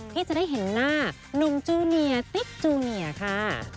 ที่จะได้เห็นหน้าหนุ่มจูเนียติ๊กจูเนียค่ะ